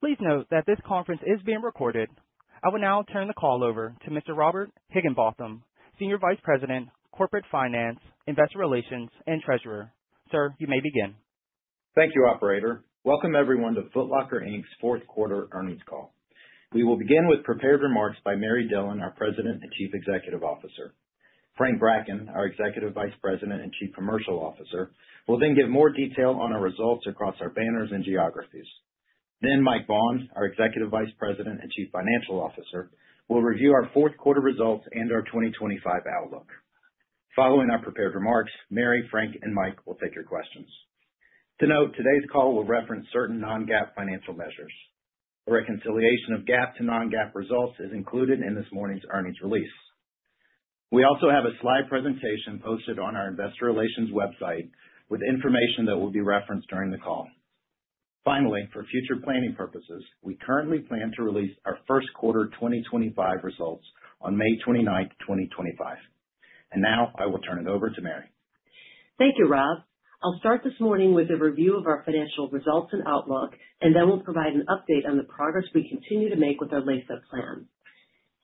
Please note that this conference is being recorded. I will now turn the call over to Mr. Robert Higginbotham, Senior Vice President, Corporate Finance, Investor Relations, and Treasurer. Sir, you may begin. Thank you, Operator. Welcome everyone to Foot Locker Inc.'s fourth quarter earnings call. We will begin with prepared remarks by Mary Dillon, our President and Chief Executive Officer. Frank Bracken, our Executive Vice President and Chief Commercial Officer, will then give more detail on our results across our banners and geographies. Then Mike Baughn, our Executive Vice President and Chief Financial Officer, will review our fourth quarter results and our 2025 outlook. Following our prepared remarks, Mary, Frank, and Mike will take your questions. To note, today's call will reference certain non-GAAP financial measures. The reconciliation of GAAP to non-GAAP results is included in this morning's earnings release. We also have a slide presentation posted on our Investor Relations website with information that will be referenced during the call. Finally, for future planning purposes, we currently plan to release our first quarter 2025 results on May 29, 2025. Now I will turn it over to Mary. Thank you, Rob. I'll start this morning with a review of our financial results and outlook, and then we'll provide an update on the progress we continue to make with our Lace Up Plan.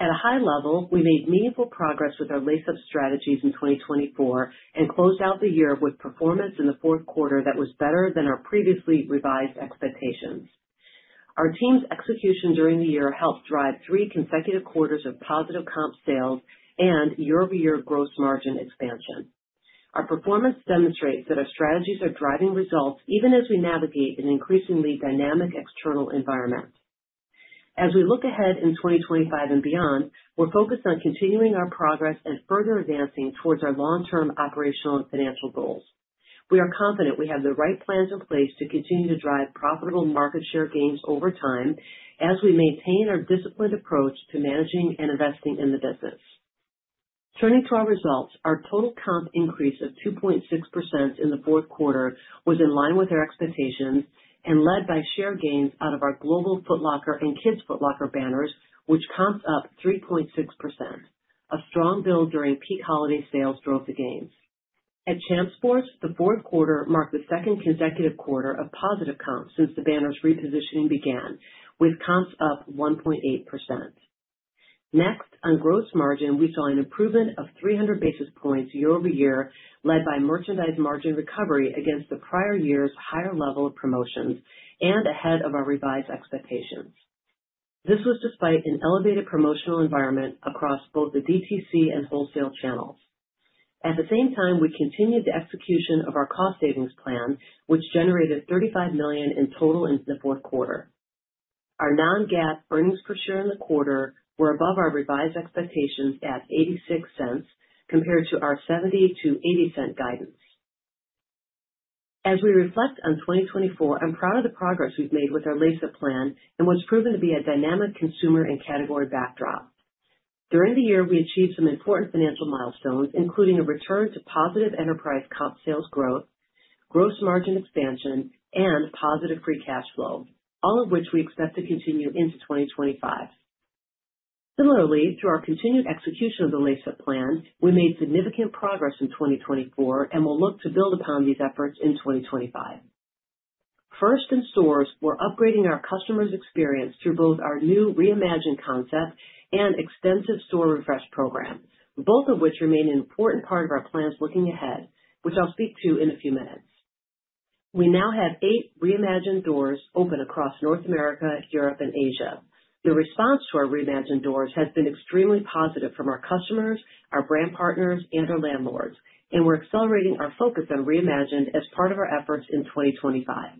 At a high level, we made meaningful progress with our Lace Up strategies in 2024 and closed out the year with performance in the fourth quarter that was better than our previously revised expectations. Our team's execution during the year helped drive three consecutive quarters of positive comp sales and year-over-year gross margin expansion. Our performance demonstrates that our strategies are driving results even as we navigate an increasingly dynamic external environment. As we look ahead in 2025 and beyond, we're focused on continuing our progress and further advancing towards our long-term operational and financial goals. We are confident we have the right plans in place to continue to drive profitable market share gains over time as we maintain our disciplined approach to managing and investing in the business. Turning to our results, our total comp increase of 2.6% in the fourth quarter was in line with our expectations and led by share gains out of our Global Foot Locker and Kids Foot Locker banners, which comped up 3.6%. A strong build during peak holiday sales drove the gains. At Champs Sports, the fourth quarter marked the second consecutive quarter of positive comps since the banners' repositioning began, with comps up 1.8%. Next, on gross margin, we saw an improvement of 300 basis points year-over-year, led by merchandise margin recovery against the prior year's higher level of promotions and ahead of our revised expectations. This was despite an elevated promotional environment across both the DTC and wholesale channels. At the same time, we continued the execution of our cost savings plan, which generated $35 million in total in the fourth quarter. Our non-GAAP earnings per share in the quarter were above our revised expectations at $0.86 compared to our $0.70-$0.80 guidance. As we reflect on 2024, I'm proud of the progress we've made with our Lace Up Plan and what's proven to be a dynamic consumer and category backdrop. During the year, we achieved some important financial milestones, including a return to positive enterprise comp sales growth, gross margin expansion, and positive free cash flow, all of which we expect to continue into 2025. Similarly, through our continued execution of the Lace Up Plan, we made significant progress in 2024 and will look to build upon these efforts in 2025. First, in stores, we're upgrading our customers' experience through both our new Reimagined concept and extensive store refresh program, both of which remain an important part of our plans looking ahead, which I'll speak to in a few minutes. We now have eight Reimagined doors open across North America, Europe, and Asia. The response to our Reimagined doors has been extremely positive from our customers, our brand partners, and our landlords, and we're accelerating our focus on Reimagined as part of our efforts in 2025.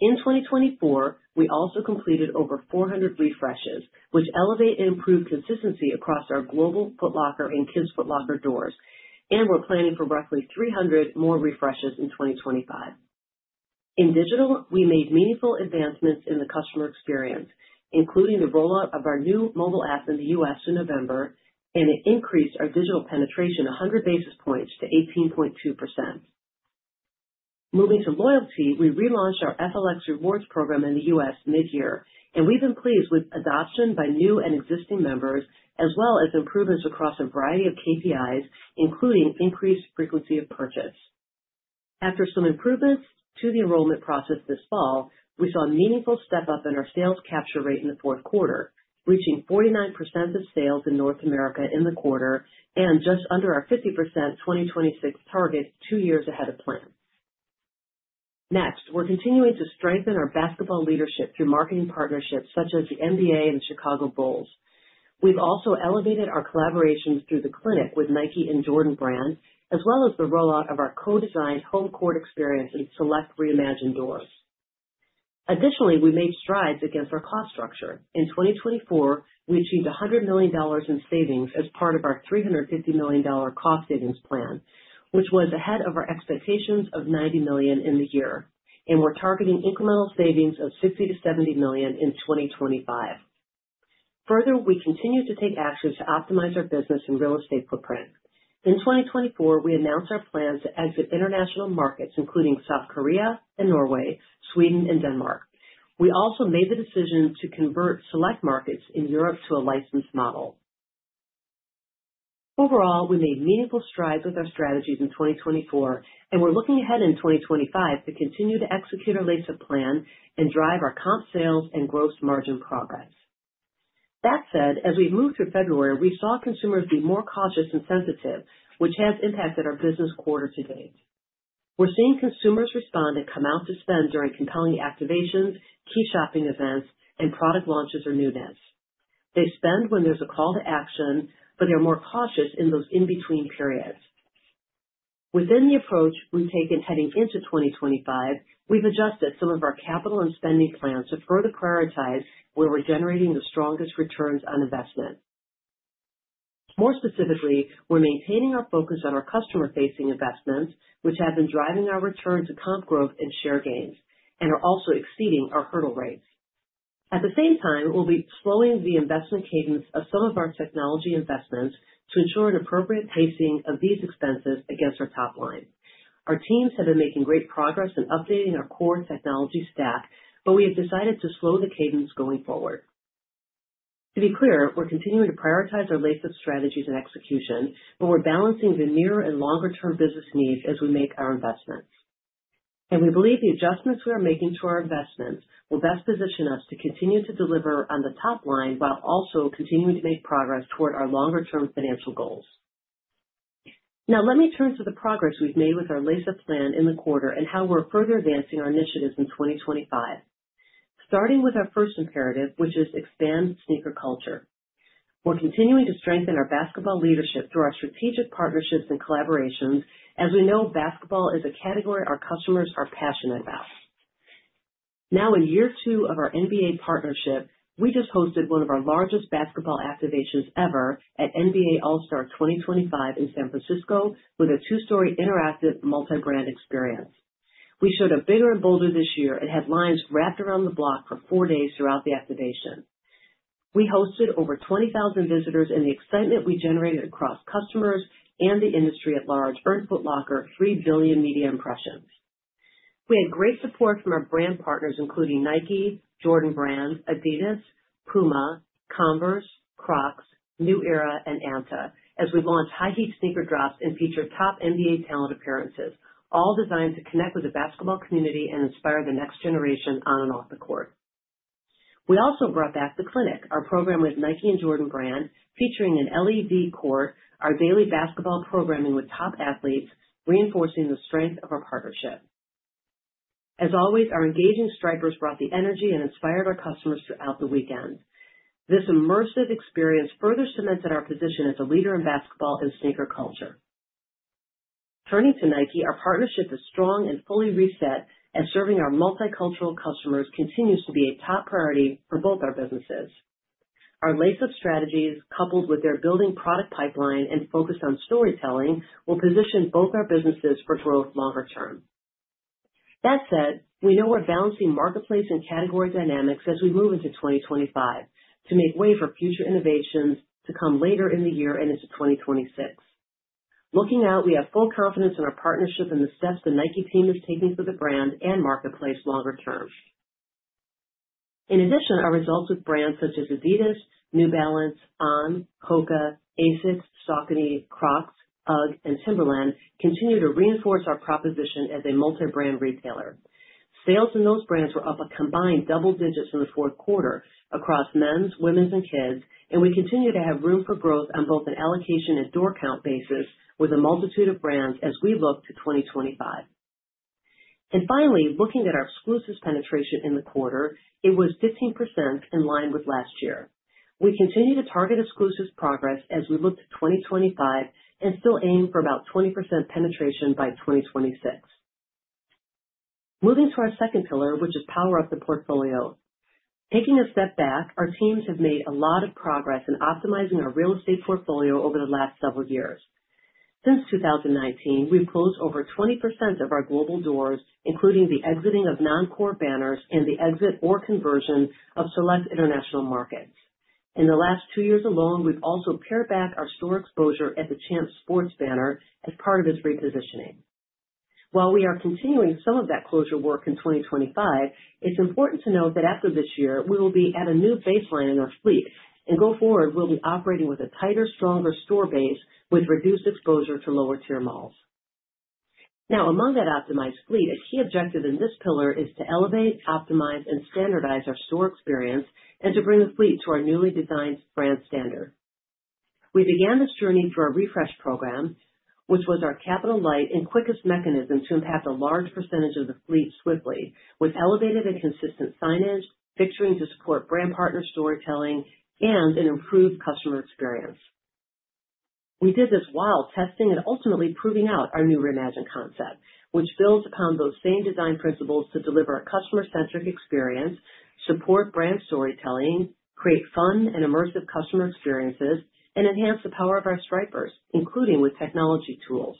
In 2024, we also completed over 400 refreshes, which elevate and improve consistency across our Global Foot Locker and Kids Foot Locker doors, and we're planning for roughly 300 more refreshes in 2025. In digital, we made meaningful advancements in the customer experience, including the rollout of our new mobile app in the U.S. In November, and it increased our digital penetration 100 basis points to 18.2%. Moving to loyalty, we relaunched our FLX Rewards program in the U.S. mid-year, and we've been pleased with adoption by new and existing members, as well as improvements across a variety of KPIs, including increased frequency of purchase. After some improvements to the enrollment process this fall, we saw a meaningful step up in our sales capture rate in the fourth quarter, reaching 49% of sales in North America in the quarter and just under our 50% 2026 target two years ahead of plan. Next, we're continuing to strengthen our basketball leadership through marketing partnerships such as the NBA and the Chicago Bulls. We've also elevated our collaborations through The Clinic with Nike and Jordan Brand, as well as the rollout of our co-designed Home Court experience and select Reimagined doors. Additionally, we made strides against our cost structure. In 2024, we achieved $100 million in savings as part of our $350 million cost savings plan, which was ahead of our expectations of $90 million in the year, and we're targeting incremental savings of $60 million-$70 million in 2025. Further, we continue to take actions to optimize our business and real estate footprint. In 2024, we announced our plans to exit international markets, including South Korea and Norway, Sweden, and Denmark. We also made the decision to convert select markets in Europe to a licensed model. Overall, we made meaningful strides with our strategies in 2024, and we're looking ahead in 2025 to continue to execute our Lace Up Plan and drive our comp sales and gross margin progress. That said, as we've moved through February, we saw consumers be more cautious and sensitive, which has impacted our business quarter to date. We're seeing consumers respond and come out to spend during compelling activations, key shopping events, and product launches or newness. They spend when there's a call to action, but they're more cautious in those in-between periods. Within the approach we've taken heading into 2025, we've adjusted some of our capital and spending plans to further prioritize where we're generating the strongest returns on investment. More specifically, we're maintaining our focus on our customer-facing investments, which have been driving our return to comp growth and share gains, and are also exceeding our hurdle rates. At the same time, we'll be slowing the investment cadence of some of our technology investments to ensure an appropriate pacing of these expenses against our top line. Our teams have been making great progress in updating our core technology stack, but we have decided to slow the cadence going forward. To be clear, we're continuing to prioritize our Lace Up strategies and execution, but we're balancing the near and longer-term business needs as we make our investments. And we believe the adjustments we are making to our investments will best position us to continue to deliver on the top line while also continuing to make progress toward our longer-term financial goals. Now, let me turn to the progress we've made with our Lace Up Plan in the quarter and how we're further advancing our initiatives in 2025. Starting with our first imperative, which is expand sneaker culture. We're continuing to strengthen our basketball leadership through our strategic partnerships and collaborations, as we know basketball is a category our customers are passionate about. Now, in year two of our NBA partnership, we just hosted one of our largest basketball activations ever at NBA All-Star 2025 in San Francisco with a two-story interactive multi-brand experience. We showed a bigger and bolder this year and had lines wrapped around the block for four days throughout the activation. We hosted over 20,000 visitors, and the excitement we generated across customers and the industry at large earned Foot Locker 3 billion media impressions. We had great support from our brand partners, including Nike, Jordan Brand, Adidas, Puma, Converse, Crocs, New Era, and Anta, as we launched hype sneaker drops and featured top NBA talent appearances, all designed to connect with the basketball community and inspire the next generation on and off the court. We also brought back The Clinic, our program with Nike and Jordan Brand, featuring an LED court, our daily basketball programming with top athletes, reinforcing the strength of our partnership. As always, our engaging Stripers brought the energy and inspired our customers throughout the weekend. This immersive experience further cemented our position as a leader in basketball and sneaker culture. Turning to Nike, our partnership is strong and fully reset, as serving our multicultural customers continues to be a top priority for both our businesses. Our Lace Up strategies, coupled with their building product pipeline and focus on storytelling, will position both our businesses for growth longer term. That said, we know we're balancing marketplace and category dynamics as we move into 2025 to make way for future innovations to come later in the year and into 2026. Looking out, we have full confidence in our partnership and the steps the Nike team is taking for the brand and marketplace longer term. In addition, our results with brands such as Adidas, New Balance, On, Hoka, ASICS, Saucony, Crocs, UGG, and Timberland continue to reinforce our proposition as a multi-brand retailer. Sales in those brands were up a combined double digit in the fourth quarter across men's, women's, and kids, and we continue to have room for growth on both an allocation and door count basis with a multitude of brands as we look to 2025. Finally, looking at our exclusive penetration in the quarter, it was 15% in line with last year. We continue to target exclusive progress as we look to 2025 and still aim for about 20% penetration by 2026. Moving to our second pillar, which is Power Up the Portfolio. Taking a step back, our teams have made a lot of progress in optimizing our real estate portfolio over the last several years. Since 2019, we've closed over 20% of our global doors, including the exiting of non-core banners and the exit or conversion of select international markets. In the last two years alone, we've also pared back our store exposure at the Champs Sports banner as part of its repositioning. While we are continuing some of that closure work in 2025, it's important to note that after this year, we will be at a new baseline in our fleet, and go forward, we'll be operating with a tighter, stronger store base with reduced exposure to lower-tier malls. Now, among that optimized fleet, a key objective in this pillar is to elevate, optimize, and standardize our store experience and to bring the fleet to our newly designed brand standard. We began this journey through our refresh program, which was our capital light and quickest mechanism to impact a large percentage of the fleet swiftly, with elevated and consistent signage, fixturing to support brand partner storytelling, and an improved customer experience. We did this while testing and ultimately proving out our new Reimagined concept, which builds upon those same design principles to deliver a customer-centric experience, support brand storytelling, create fun and immersive customer experiences, and enhance the power of our Stripers, including with technology tools.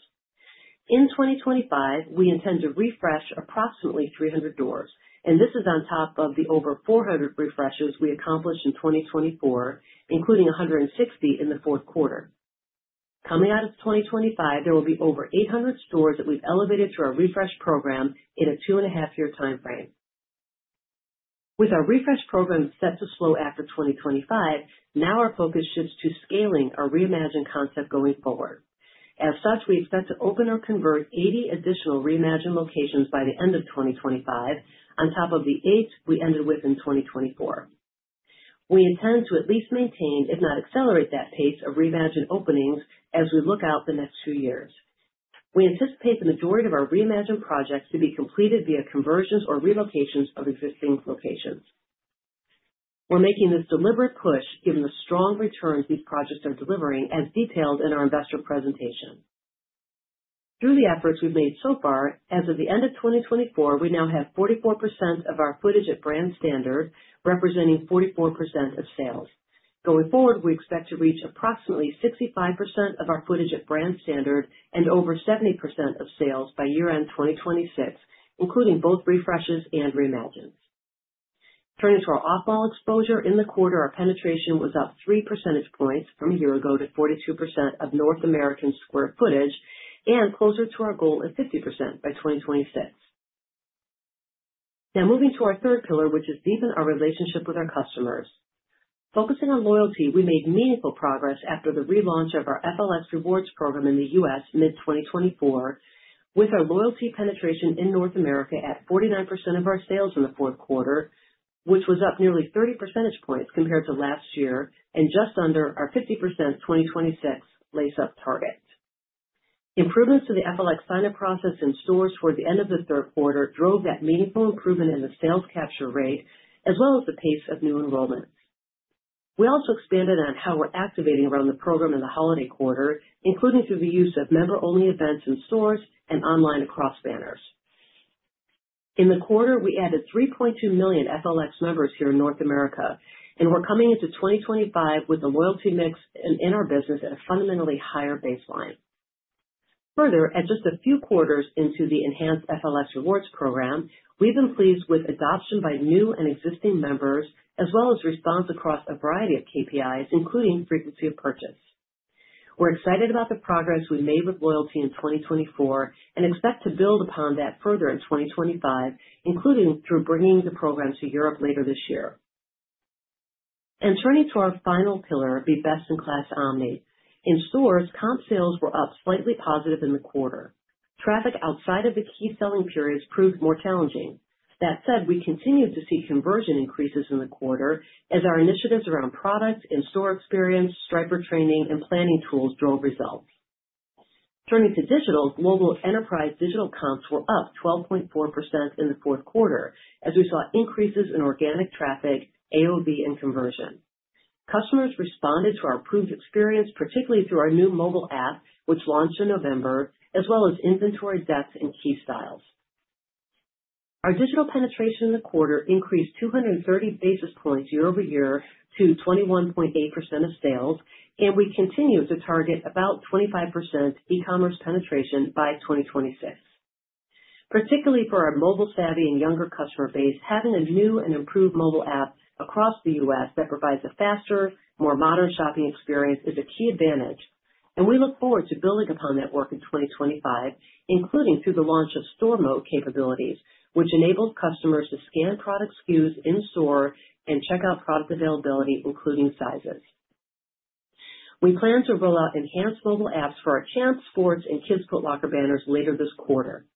In 2025, we intend to refresh approximately 300 doors, and this is on top of the over 400 refreshes we accomplished in 2024, including 160 in the fourth quarter. Coming out of 2025, there will be over 800 stores that we've elevated through our refresh program in a two-and-a-half-year timeframe. With our refresh program set to slow after 2025, now our focus shifts to scaling our Reimagined concept going forward. As such, we expect to open or convert 80 additional Reimagined locations by the end of 2025, on top of the eight we ended with in 2024. We intend to at least maintain, if not accelerate that pace of Reimagined openings as we look out the next few years. We anticipate the majority of our Reimagined projects to be completed via conversions or relocations of existing locations. We're making this deliberate push given the strong returns these projects are delivering, as detailed in our investor presentation. Through the efforts we've made so far, as of the end of 2024, we now have 44% of our footage at brand standard representing 44% of sales. Going forward, we expect to reach approximately 65% of our footage at brand standard and over 70% of sales by year-end 2026, including both refreshes and Reimagined. Turning to our off-mall exposure, in the quarter, our penetration was up three percentage points from a year ago to 42% of North American square footage and closer to our goal of 50% by 2026. Now, moving to our third pillar, which is deepen our relationship with our customers. Focusing on loyalty, we made meaningful progress after the relaunch of our FLX Rewards program in the U.S. mid-2024, with our loyalty penetration in North America at 49% of our sales in the fourth quarter, which was up nearly 30 percentage points compared to last year and just under our 50% 2026 Lace Up target. Improvements to the FLX sign-up process in stores toward the end of the third quarter drove that meaningful improvement in the sales capture rate, as well as the pace of new enrollments. We also expanded on how we're activating around the program in the holiday quarter, including through the use of member-only events in stores and online across banners. In the quarter, we added 3.2 million FLX members here in North America, and we're coming into 2025 with the loyalty mix in our business at a fundamentally higher baseline. Further, at just a few quarters into the enhanced FLX Rewards program, we've been pleased with adoption by new and existing members, as well as response across a variety of KPIs, including frequency of purchase. We're excited about the progress we made with loyalty in 2024 and expect to build upon that further in 2025, including through bringing the program to Europe later this year. And turning to our final pillar, the best-in-class omni. In stores, comp sales were up slightly positive in the quarter. Traffic outside of the key selling periods proved more challenging. That said, we continued to see conversion increases in the quarter, as our initiatives around product and store experience, Striper training, and planning tools drove results. Turning to digital, global enterprise digital comps were up 12.4% in the fourth quarter, as we saw increases in organic traffic, AOV, and conversion. Customers responded to our proved experience, particularly through our new mobile app, which launched in November, as well as inventory depth and key styles. Our digital penetration in the quarter increased 230 basis points year-over-year to 21.8% of sales, and we continue to target about 25% e-commerce penetration by 2026. Particularly for our mobile-savvy and younger customer base, having a new and improved mobile app across the U.S. that provides a faster, more modern shopping experience is a key advantage, and we look forward to building upon that work in 2025, including through the launch of store mode capabilities, which enables customers to scan product SKUs in store and check out product availability, including sizes. We plan to roll out enhanced mobile apps for our Champs Sports and Kids Foot Locker banners later this quarter.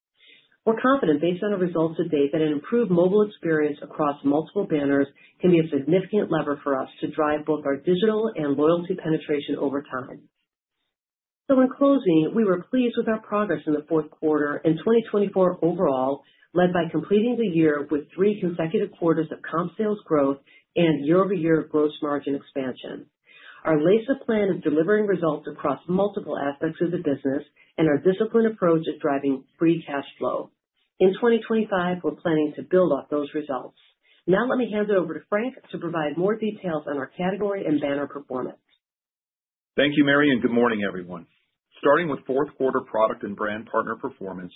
We're confident, based on our results to date, that an improved mobile experience across multiple banners can be a significant lever for us to drive both our digital and loyalty penetration over time. So, in closing, we were pleased with our progress in the fourth quarter and 2024 overall, led by completing the year with three consecutive quarters of comp sales growth and year-over-year gross margin expansion. Our Lace Up Plan is delivering results across multiple aspects of the business, and our disciplined approach is driving free cash flow. In 2025, we're planning to build up those results. Now, let me hand it over to Frank to provide more details on our category and banner performance. Thank you, Mary, and good morning, everyone. Starting with fourth quarter product and brand partner performance,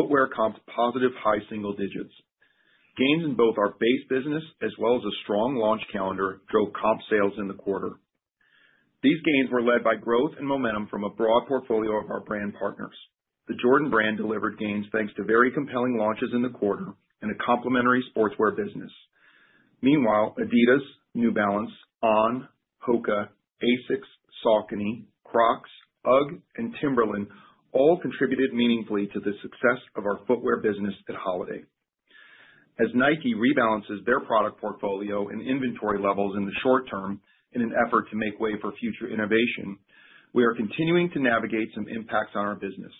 footwear comps positive high single digits. Gains in both our base business as well as a strong launch calendar drove comp sales in the quarter. These gains were led by growth and momentum from a broad portfolio of our brand partners. The Jordan Brand delivered gains thanks to very compelling launches in the quarter and a complementary sportswear business. Meanwhile, Adidas, New Balance, On, Hoka, ASICS, Saucony, Crocs, UGG, and Timberland all contributed meaningfully to the success of our footwear business at holiday. As Nike rebalances their product portfolio and inventory levels in the short term in an effort to make way for future innovation, we are continuing to navigate some impacts on our business.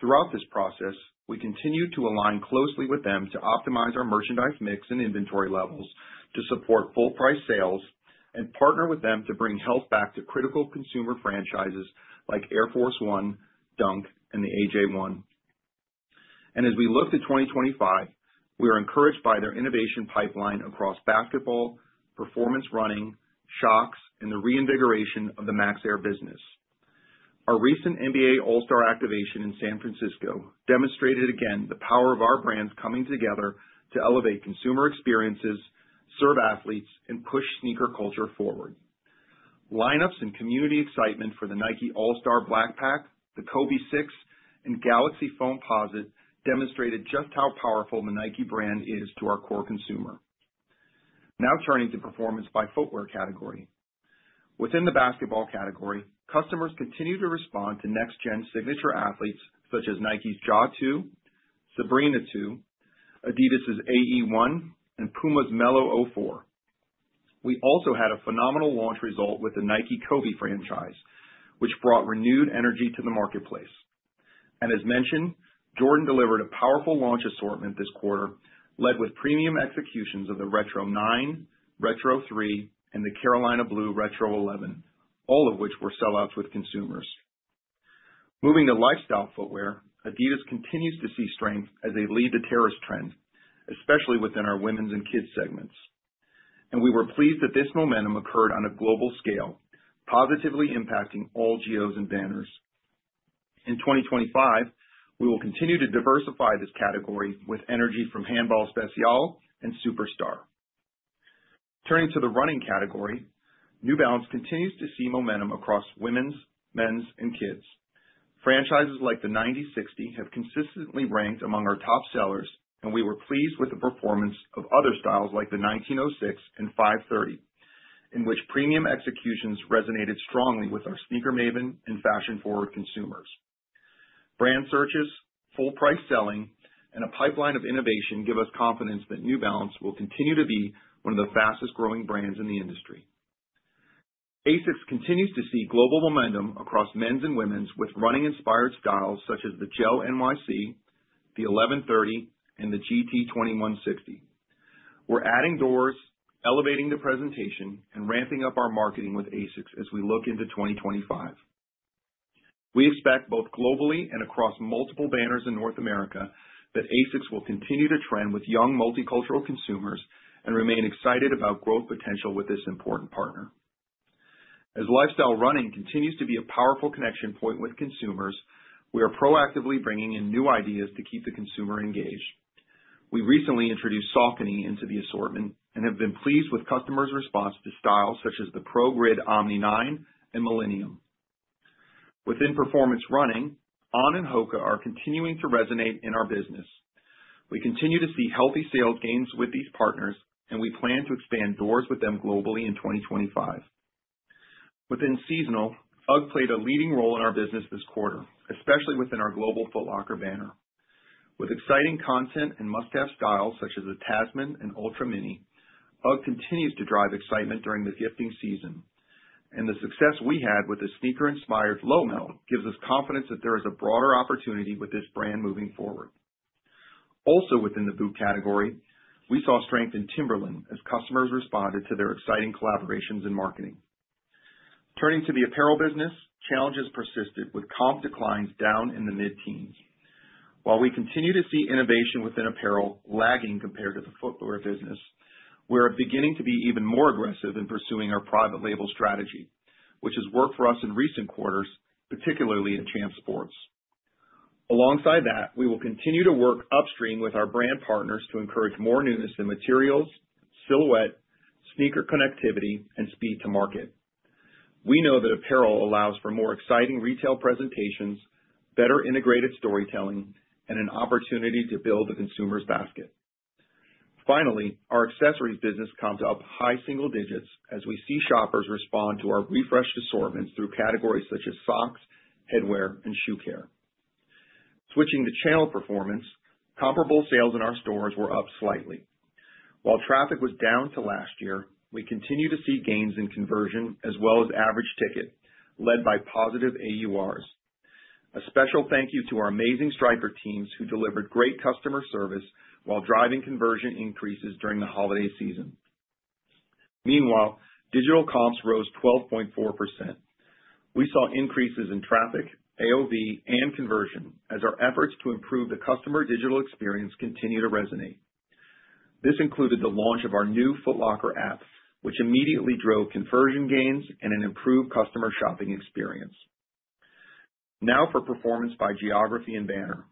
Throughout this process, we continue to align closely with them to optimize our merchandise mix and inventory levels to support full-price sales and partner with them to bring health back to critical consumer franchises like Air Force 1, Dunk, and the AJ 1, and as we look to 2025, we are encouraged by their innovation pipeline across basketball, performance running, Shox, and the reinvigoration of the Max Air business. Our recent NBA All-Star activation in San Francisco demonstrated again the power of our brands coming together to elevate consumer experiences, serve athletes, and push sneaker culture forward. Lineups and community excitement for the Nike All-Star Black Pack, the Kobe 6, and Galaxy Foamposite demonstrated just how powerful the Nike brand is to our core consumer. Now, turning to performance by footwear category. Within the basketball category, customers continue to respond to next-gen signature athletes such as Nike's Ja 2, Sabrina 2, Adidas's AE 1, and Puma's Melo 04. We also had a phenomenal launch result with the Nike Kobe franchise, which brought renewed energy to the marketplace. And as mentioned, Jordan delivered a powerful launch assortment this quarter, led with premium executions of the Retro 9, Retro 3, and the Carolina Blue Retro 11, all of which were sellouts with consumers. Moving to lifestyle footwear, Adidas continues to see strength as they lead the terrace trend, especially within our women's and kids segments. We were pleased that this momentum occurred on a global scale, positively impacting all Geos and banners. In 2025, we will continue to diversify this category with energy from Handball Spezial and Superstar. Turning to the running category, New Balance continues to see momentum across women's, men's, and kids. Franchises like the 9060 have consistently ranked among our top sellers, and we were pleased with the performance of other styles like the 1906 and 530, in which premium executions resonated strongly with our sneaker maven and fashion-forward consumers. Brand searches, full-price selling, and a pipeline of innovation give us confidence that New Balance will continue to be one of the fastest-growing brands in the industry. ASICS continues to see global momentum across men's and women's with running-inspired styles such as the GEL-NYC, the GEL-1130, and the GT-2160. We're adding doors, elevating the presentation, and ramping up our marketing with ASICS as we look into 2025. We expect both globally and across multiple banners in North America that ASICS will continue to trend with young multicultural consumers and remain excited about growth potential with this important partner. As lifestyle running continues to be a powerful connection point with consumers, we are proactively bringing in new ideas to keep the consumer engaged. We recently introduced Saucony into the assortment and have been pleased with customers' response to styles such as the ProGrid Omni 9 and Millennium. Within performance running, On and Hoka are continuing to resonate in our business. We continue to see healthy sales gains with these partners, and we plan to expand doors with them globally in 2025. Within seasonal, UGG played a leading role in our business this quarter, especially within our global Foot Locker banner. With exciting content and must-have styles such as the Tasman and Ultra Mini, UGG continues to drive excitement during the gifting season, and the success we had with the sneaker-inspired Lowmel gives us confidence that there is a broader opportunity with this brand moving forward. Also, within the boot category, we saw strength in Timberland as customers responded to their exciting collaborations in marketing. Turning to the apparel business, challenges persisted with comp declines down in the mid-teens. While we continue to see innovation within apparel lagging compared to the footwear business, we are beginning to be even more aggressive in pursuing our private label strategy, which has worked for us in recent quarters, particularly in Champs Sports. Alongside that, we will continue to work upstream with our brand partners to encourage more newness in materials, silhouette, sneaker connectivity, and speed to market. We know that apparel allows for more exciting retail presentations, better integrated storytelling, and an opportunity to build the consumer's basket. Finally, our accessories business comes up high single digits as we see shoppers respond to our refreshed assortments through categories such as socks, headwear, and shoe care. Switching to channel performance, comparable sales in our stores were up slightly. While traffic was down to last year, we continue to see gains in conversion as well as average ticket, led by positive AURs. A special thank you to our amazing Striper teams who delivered great customer service while driving conversion increases during the holiday season. Meanwhile, digital comps rose 12.4%. We saw increases in traffic, AOV, and conversion as our efforts to improve the customer digital experience continue to resonate. This included the launch of our new Foot Locker app, which immediately drove conversion gains and an improved customer shopping experience. Now for performance by geography and banner.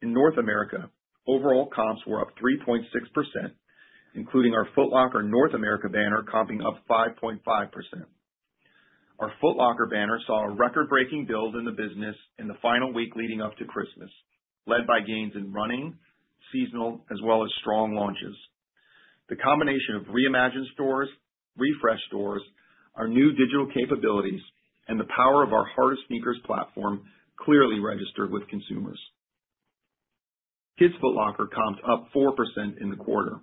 In North America, overall comps were up 3.6%, including our Foot Locker North America banner comping up 5.5%. Our Foot Locker banner saw a record-breaking build in the business in the final week leading up to Christmas, led by gains in running, seasonal, as well as strong launches. The combination of Reimagined stores, refreshed stores, our new digital capabilities, and the power of our Heart of Sneakers platform clearly registered with consumers. Kids Foot Locker comped up 4% in the quarter.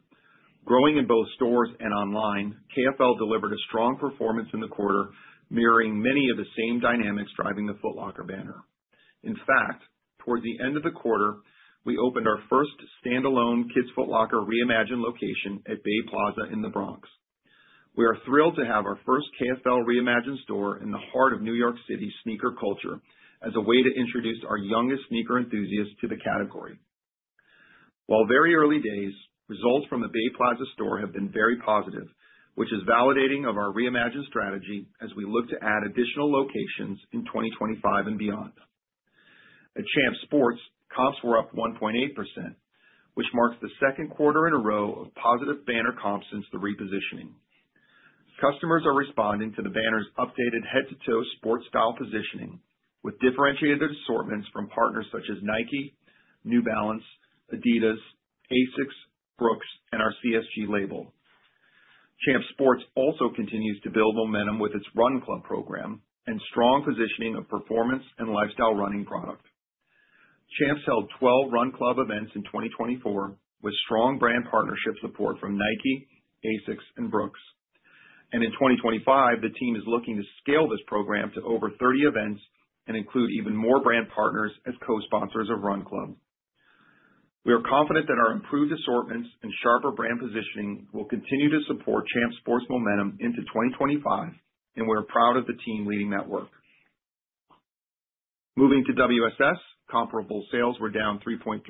Growing in both stores and online, KFL delivered a strong performance in the quarter, mirroring many of the same dynamics driving the Foot Locker banner. In fact, toward the end of the quarter, we opened our first standalone Kids Foot Locker Reimagined location at Bay Plaza in the Bronx. We are thrilled to have our first KFL Reimagined store in the heart of New York City sneaker culture as a way to introduce our youngest sneaker enthusiasts to the category. While very early days, results from the Bay Plaza store have been very positive, which is validating of our Reimagined strategy as we look to add additional locations in 2025 and beyond. At Champs Sports, comps were up 1.8%, which marks the second quarter in a row of positive banner comps since the repositioning. Customers are responding to the banner's updated head-to-toe sports style positioning with differentiated assortments from partners such as Nike, New Balance, Adidas, ASICS, Brooks, and our CSG label. Champs Sports also continues to build momentum with its Run Club program and strong positioning of performance and lifestyle running product. Champs held 12 Run Club events in 2024 with strong brand partnership support from Nike, ASICS, and Brooks, and in 2025, the team is looking to scale this program to over 30 events and include even more brand partners as co-sponsors of Run Club. We are confident that our improved assortments and sharper brand positioning will continue to support Champs Sports momentum into 2025, and we are proud of the team leading that work. Moving to WSS, comparable sales were down 3.3%.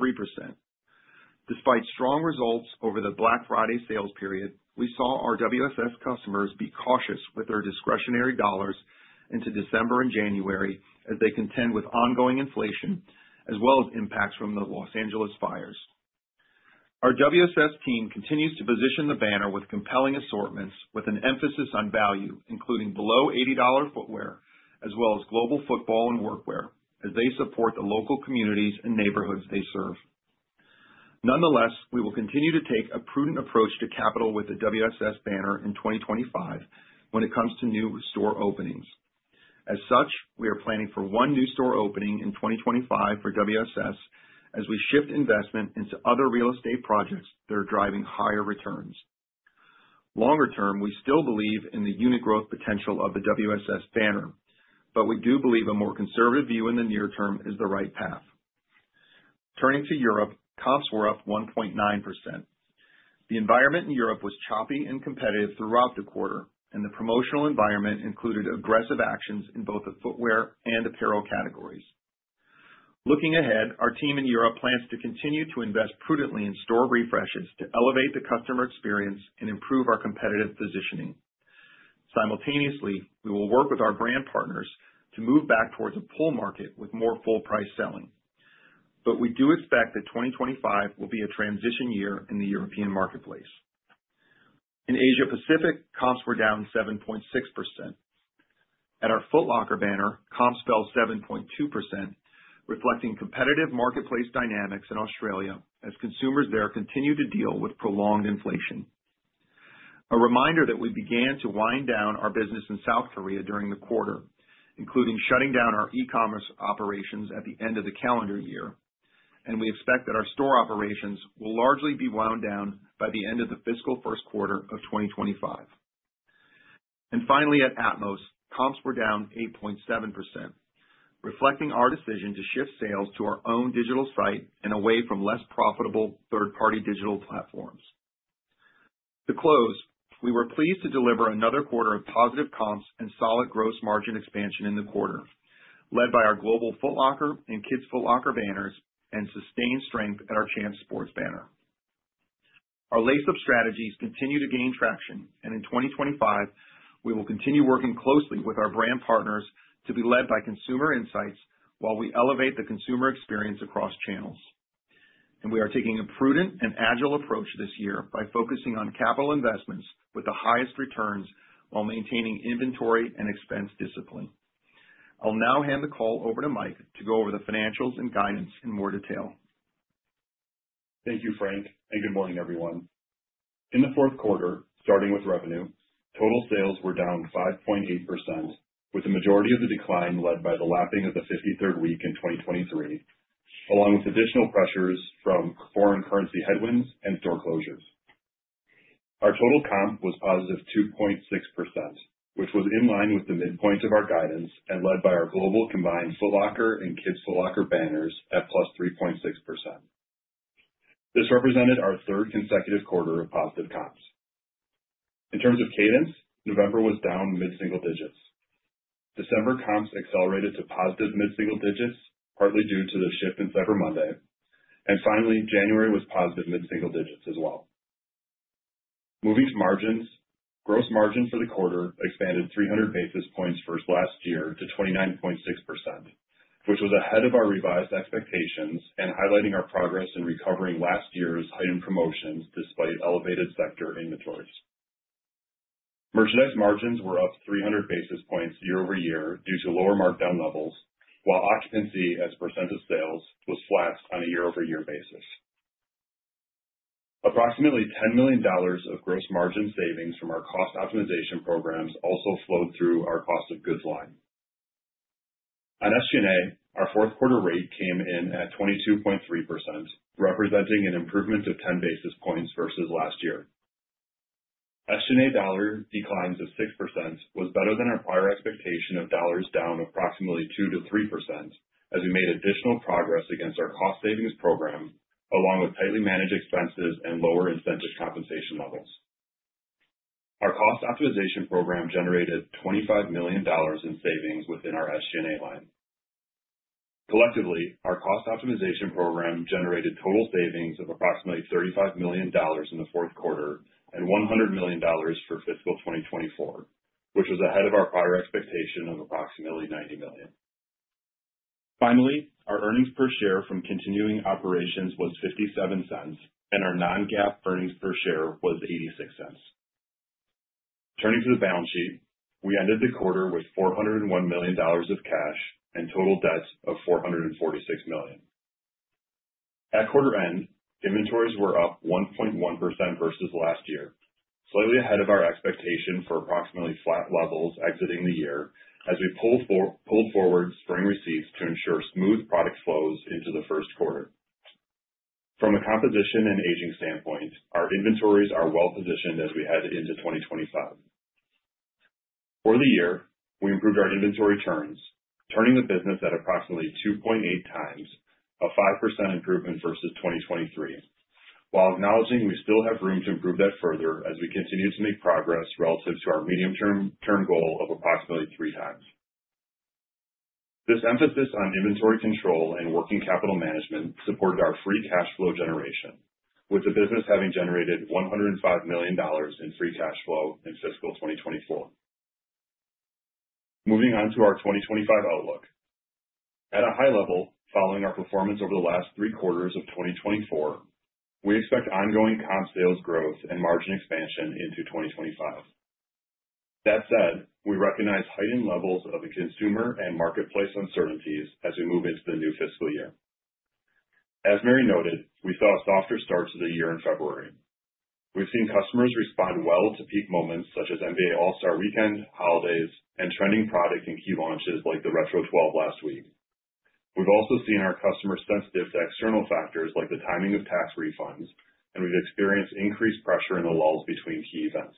Despite strong results over the Black Friday sales period, we saw our WSS customers be cautious with their discretionary dollars into December and January as they contend with ongoing inflation as well as impacts from the Los Angeles fires. Our WSS team continues to position the banner with compelling assortments with an emphasis on value, including below $80 footwear as well as global football and workwear as they support the local communities and neighborhoods they serve. Nonetheless, we will continue to take a prudent approach to capital with the WSS banner in 2025 when it comes to new store openings. As such, we are planning for one new store opening in 2025 for WSS as we shift investment into other real estate projects that are driving higher returns. Longer term, we still believe in the unit growth potential of the WSS banner, but we do believe a more conservative view in the near term is the right path. Turning to Europe, comps were up 1.9%. The environment in Europe was choppy and competitive throughout the quarter, and the promotional environment included aggressive actions in both the footwear and apparel categories. Looking ahead, our team in Europe plans to continue to invest prudently in store refreshes to elevate the customer experience and improve our competitive positioning. Simultaneously, we will work with our brand partners to move back towards a pull market with more full-price selling. But we do expect that 2025 will be a transition year in the European marketplace. In Asia-Pacific, comps were down 7.6%. At our Foot Locker banner, comps fell 7.2%, reflecting competitive marketplace dynamics in Australia as consumers there continue to deal with prolonged inflation. A reminder that we began to wind down our business in South Korea during the quarter, including shutting down our e-commerce operations at the end of the calendar year. And we expect that our store operations will largely be wound down by the end of the fiscal first quarter of 2025. And finally, at Atmos, comps were down 8.7%, reflecting our decision to shift sales to our own digital site and away from less profitable third-party digital platforms. To close, we were pleased to deliver another quarter of positive comps and solid gross margin expansion in the quarter, led by our global Foot Locker and Kids Foot Locker banners and sustained strength at our Champs Sports banner. Our Lace Up strategies continue to gain traction, and in 2025, we will continue working closely with our brand partners to be led by consumer insights while we elevate the consumer experience across channels. We are taking a prudent and agile approach this year by focusing on capital investments with the highest returns while maintaining inventory and expense discipline. I'll now hand the call over to Mike to go over the financials and guidance in more detail. Thank you, Frank, and good morning, everyone. In the fourth quarter, starting with revenue, total sales were down 5.8%, with the majority of the decline led by the lapping of the 53rd week in 2023, along with additional pressures from foreign currency headwinds and store closures. Our total comp was positive 2.6%, which was in line with the midpoint of our guidance and led by our global combined Foot Locker and Kids Foot Locker banners at +3.6%. This represented our third consecutive quarter of positive comps. In terms of cadence, November was down mid-single digits. December comps accelerated to positive mid-single digits, partly due to th e shift in Cyber Monday. And finally, January was positive mid-single digits as well. Moving to margins, gross margin for the quarter expanded 300 basis points from last year to 29.6%, which was ahead of our revised expectations and highlighting our progress in recovering last year's heightened promotions despite elevated sector inventories. Merchandise margins were up 300 basis points year-over-year due to lower markdown levels, while occupancy as percent of sales was flat on a year-over-year basis. Approximately $10 million of gross margin savings from our cost optimization programs also flowed through our cost of goods line. On SG&A, our fourth quarter rate came in at 22.3%, representing an improvement of 10 basis points versus last year. SG&A dollar declines of 6% was better than our prior expectation of dollars down approximately 2%-3% as we made additional progress against our cost savings program, along with tightly managed expenses and lower incentive compensation levels. Our cost optimization program generated $25 million in savings within our SG&A line. Collectively, our cost optimization program generated total savings of approximately $35 million in the fourth quarter and $100 million for fiscal 2024, which was ahead of our prior expectation of approximately $90 million. Finally, our earnings per share from continuing operations was $0.57, and our non-GAAP earnings per share was $0.86. Turning to the balance sheet, we ended the quarter with $401 million of cash and total debts of $446 million. At quarter end, inventories were up 1.1% versus last year, slightly ahead of our expectation for approximately flat levels exiting the year as we pulled forward spring receipts to ensure smooth product flows into the first quarter. From a composition and aging standpoint, our inventories are well positioned as we head into 2025. For the year, we improved our inventory turns, turning the business at approximately 2.8x, a 5% improvement versus 2023, while acknowledging we still have room to improve that further as we continue to make progress relative to our medium-term goal of approximately 3x. This emphasis on inventory control and working capital management supported our free cash flow generation, with the business having generated $105 million in free cash flow in fiscal 2024. Moving on to our 2025 outlook. At a high level, following our performance over the last three quarters of 2024, we expect ongoing comp sales growth and margin expansion into 2025. That said, we recognize heightened levels of consumer and marketplace uncertainties as we move into the new fiscal year. As Mary noted, we saw a softer start to the year in February. We've seen customers respond well to peak moments such as NBA All-Star weekend, holidays, and trending product and key launches like the Retro 12 last week. We've also seen our customers sensitive to external factors like the timing of tax refunds, and we've experienced increased pressure in the lulls between key events.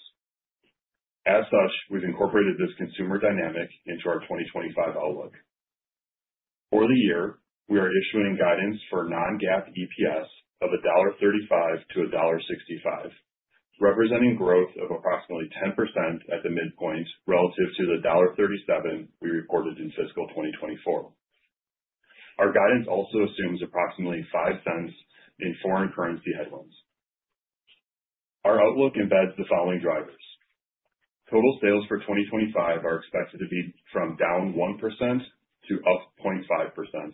As such, we've incorporated this consumer dynamic into our 2025 outlook. For the year, we are issuing guidance for non-GAAP EPS of $1.35 to $1.65, representing growth of approximately 10% at the midpoint relative to the $1.37 we reported in fiscal 2024. Our guidance also assumes approximately $0.05 in foreign currency headwinds. Our outlook embeds the following drivers. Total sales for 2025 are expected to be from -1% to +0.5%,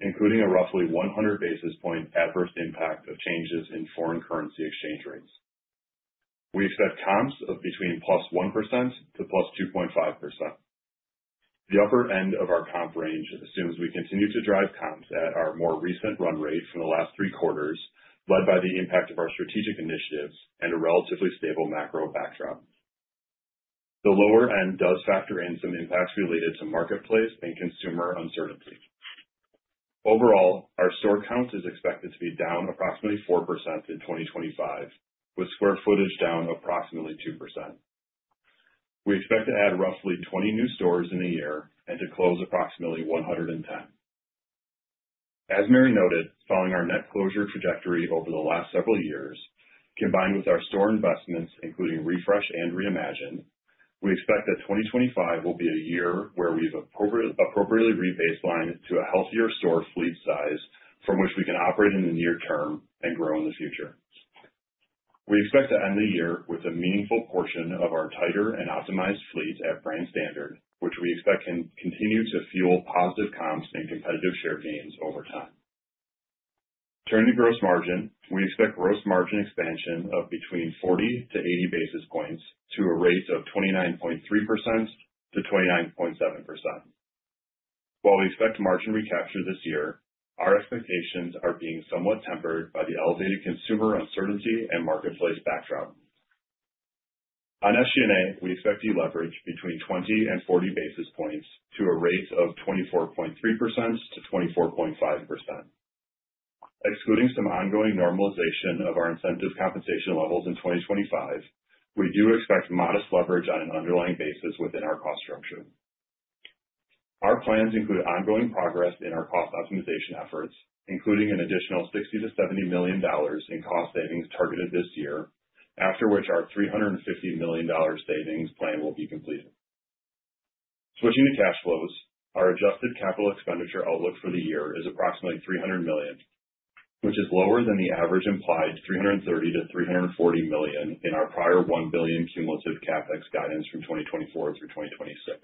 including a roughly 100 basis point adverse impact of changes in foreign currency exchange rates. We expect comps of between +1% to +2.5%. The upper end of our comp range assumes we continue to drive comps at our more recent run rate from the last three quarters, led by the impact of our strategic initiatives and a relatively stable macro backdrop. The lower end does factor in some impacts related to marketplace and consumer uncertainty. Overall, our store count is expected to be down approximately 4% in 2025, with square footage down approximately 2%. We expect to add roughly 20 new stores in a year and to close approximately 110. As Mary noted, following our net closure trajectory over the last several years, combined with our store investments, including refresh and Reimagined, we expect that 2025 will be a year where we've appropriately re-baselined to a healthier store fleet size from which we can operate in the near term and grow in the future. We expect to end the year with a meaningful portion of our tighter and optimized fleet at brand standard, which we expect can continue to fuel positive comps and competitive share gains over time. Turning to gross margin, we expect gross margin expansion of between 40 basis points-80 basis points to a rate of 29.3%-29.7%. While we expect margin recapture this year, our expectations are being somewhat tempered by the elevated consumer uncertainty and marketplace backdrop. On SG&A, we expect to leverage between 20 and 40 basis points to a rate of 24.3%-24.5%. Excluding some ongoing normalization of our incentive compensation levels in 2025, we do expect modest leverage on an underlying basis within our cost structure. Our plans include ongoing progress in our cost optimization efforts, including an additional $60 million-$70 million in cost savings targeted this year, after which our $350 million savings plan will be completed. Switching to cash flows, our adjusted capital expenditure outlook for the year is approximately $300 million, which is lower than the average implied $330 million-$340 million in our prior $1 billion cumulative CapEx guidance from 2024 through 2026.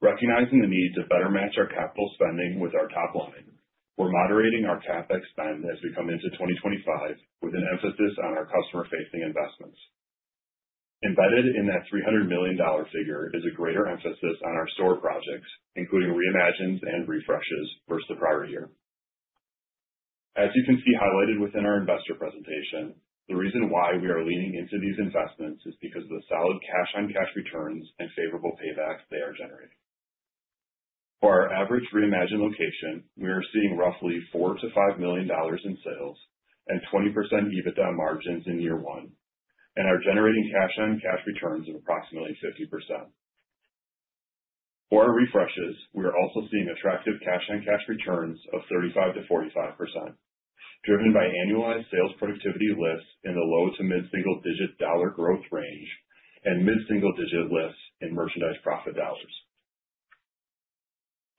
Recognizing the need to better match our capital spending with our top line, we're moderating our CapEx spend as we come into 2025 with an emphasis on our customer-facing investments. Embedded in that $300 million figure is a greater emphasis on our store projects, including Reimagined and refreshes versus the prior year. As you can see highlighted within our investor presentation, the reason why we are leaning into these investments is because of the solid cash-on-cash returns and favorable payback they are generating. For our average Reimagined location, we are seeing roughly $4 million-$5 million in sales and 20% EBITDA margins in year one, and are generating cash-on-cash returns of approximately 50%. For our refreshes, we are also seeing attractive cash-on-cash returns of 35%-45%, driven by annualized sales productivity lifts in the low to mid-single digit dollar growth range and mid-single digit lifts in merchandise profit dollars.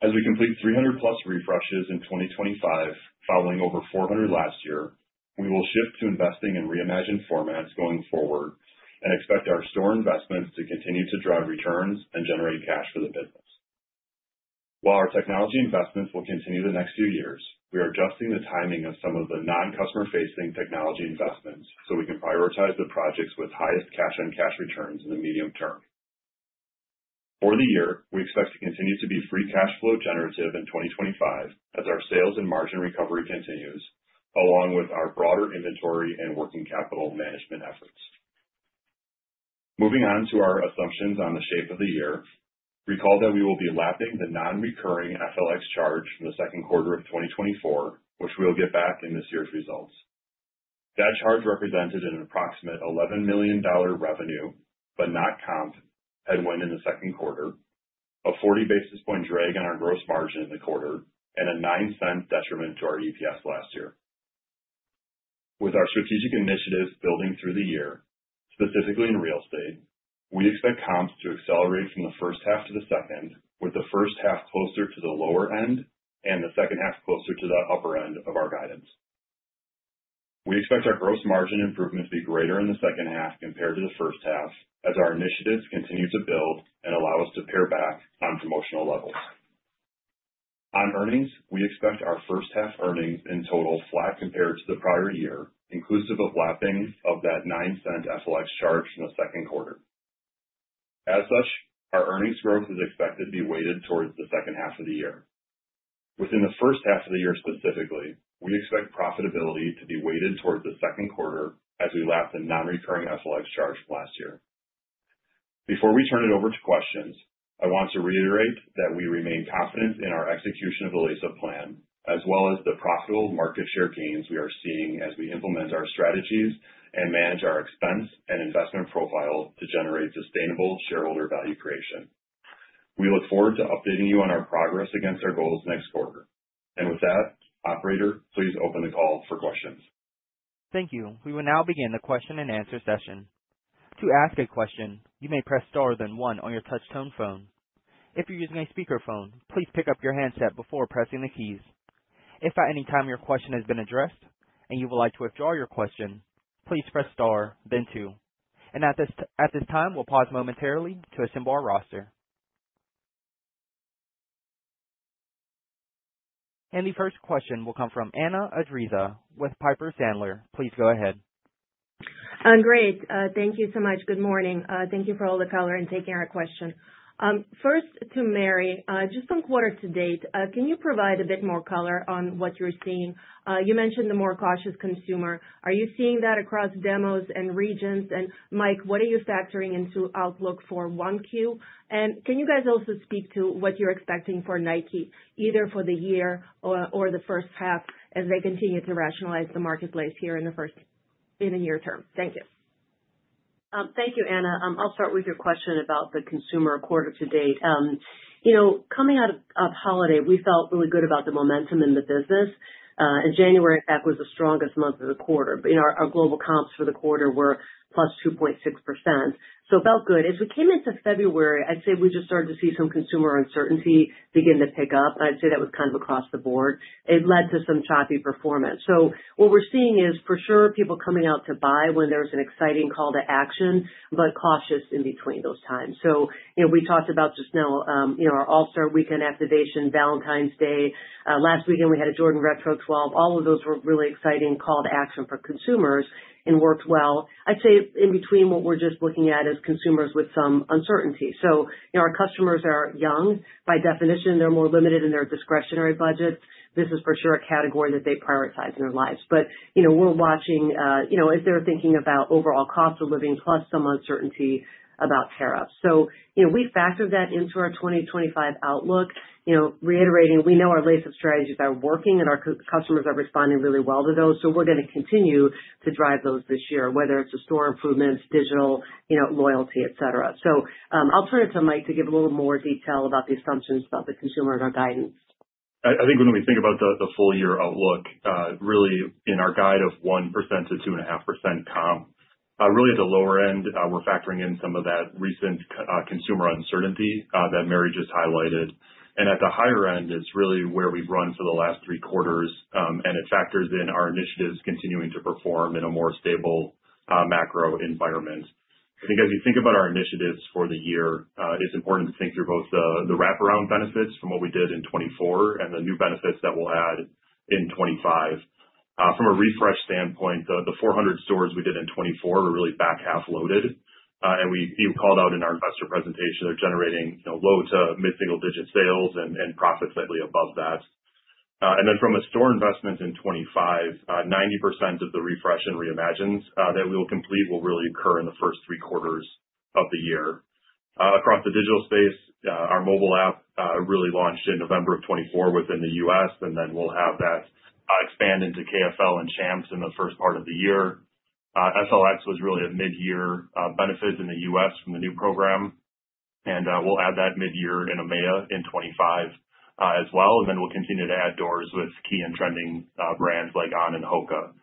As we complete 300-plus refreshes in 2025, following over 400 last year, we will shift to investing in Reimagined formats going forward and expect our store investments to continue to drive returns and generate cash for the business. While our technology investments will continue the next few years, we are adjusting the timing of some of the non-customer-facing technology investments so we can prioritize the projects with highest cash-on-cash returns in the medium term. For the year, we expect to continue to be free cash flow generative in 2025 as our sales and margin recovery continues, along with our broader inventory and working capital management efforts. Moving on to our assumptions on the shape of the year, recall that we will be lapping the non-recurring FLX charge from the second quarter of 2024, which we will get back in this year's results. That charge represented an approximate $11 million revenue, but not comp, headwind in the second quarter, a 40 basis points drag on our gross margin in the quarter, and a $0.09 detriment to our EPS last year. With our strategic initiatives building through the year, specifically in real estate, we expect comps to accelerate from the first half to the second, with the first half closer to the lower end and the second half closer to the upper end of our guidance. We expect our gross margin improvement to be greater in the second half compared to the first half as our initiatives continue to build and allow us to pare back on promotional levels. On earnings, we expect our first half earnings in total flat compared to the prior year, inclusive of lapping of that $0.09 FLX charge from the second quarter. As such, our earnings growth is expected to be weighted towards the second half of the year. Within the first half of the year specifically, we expect profitability to be weighted towards the second quarter as we lapped the non-recurring FLX charge from last year. Before we turn it over to questions, I want to reiterate that we remain confident in our execution of the Lace Up Plan, as well as the profitable market share gains we are seeing as we implement our strategies and manage our expense and investment profile to generate sustainable shareholder value creation. We look forward to updating you on our progress against our goals next quarter. And with that, Operator, please open the call for questions. Thank you. We will now begin the question and answer session. To ask a question, you may press star then one on your touch-tone phone. If you're using a speakerphone, please pick up your handset before pressing the keys. If at any time your question has been addressed and you would like to withdraw your question, please press star, then two. At this time, we'll pause momentarily to assemble our roster. The first question will come from Anna Andreeva with Piper Sandler. Please go ahead. Great. Thank you so much. Good morning. Thank you for all the color and taking our question. First, to Mary, just on quarter-to-date, can you provide a bit more color on what you're seeing? You mentioned the more cautious consumer. Are you seeing that across demos and regions? Mike, what are you factoring into Outlook for 1Q? And can you guys also speak to what you're expecting for Nike, either for the year or the first half, as they continue to rationalize the marketplace here in the first half in the near term? Thank you. Thank you, Anna. I'll start with your question about the consumer quarter to date. Coming out of holiday, we felt really good about the momentum in the business. In January, in fact, was the strongest month of the quarter. Our global comps for the quarter were +2.6%. So it felt good. As we came into February, I'd say we just started to see some consumer uncertainty begin to pick up. I'd say that was kind of across the board. It led to some choppy performance. So what we're seeing is, for sure, people coming out to buy when there was an exciting call to action, but cautious in between those times. So we talked about just now our All-Star weekend activation, Valentine's Day. Last weekend, we had a Jordan Retro 12. All of those were really exciting call to action for consumers and worked well. I'd say in between what we're just looking at is consumers with some uncertainty. So our customers are young. By definition, they're more limited in their discretionary budgets. This is for sure a category that they prioritize in their lives. But we're watching as they're thinking about overall cost of living, plus some uncertainty about tariffs. So we factored that into our 2025 outlook, reiterating we know our Lace Up strategies are working and our customers are responding really well to those. So we're going to continue to drive those this year, whether it's store improvements, digital loyalty, etc. I'll turn it to Mike to give a little more detail about the assumptions about the consumer and our guidance. I think when we think about the full year outlook, really in our guide of 1%-2.5% comp, really at the lower end, we're factoring in some of that recent consumer uncertainty that Mary just highlighted. At the higher end, it's really where we've run for the last three quarters, and it factors in our initiatives continuing to perform in a more stable macro environment. I think as you think about our initiatives for the year, it's important to think through both the wraparound benefits from what we did in 2024 and the new benefits that we'll add in 2025. From a refresh standpoint, the 400 stores we did in 2024 were really back half loaded. We called out in our investor presentation, they're generating low- to mid-single-digit sales and profits slightly above that. Then from a store investment in 2025, 90% of the refresh and Reimagined that we will complete will really occur in the first three quarters of the year. Across the digital space, our mobile app really launched in November of 2024 within the U.S., and then we'll have that expand into KFL and Champs in the first part of the year. FLX was really a mid-year benefit in the U.S. from the new program. We'll add that mid-year in EMEA in 2025 as well. Then we'll continue to add doors with key and trending brands like On and Hoka.